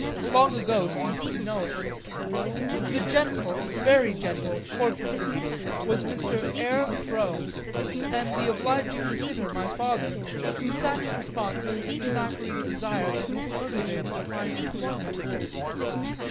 long ago ceased to know it; the gentle, very gentle, portraitist was Mr. Eyre Crowe and the obliging sitter my father, who sat in response to Mr. Thackeray's desire that his protégé should find employment.